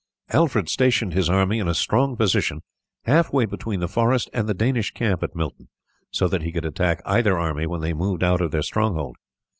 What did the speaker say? Alfred stationed his army in a strong position half way between the forest and the Danish camp at Milton, so that he could attack either army when they moved out of their stronghold.